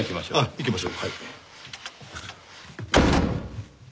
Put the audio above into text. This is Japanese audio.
行きましょうはい。